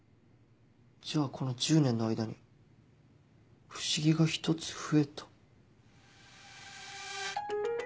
じゃあこの１０年の間に不思議が１つ増えた？